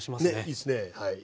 いいっすね。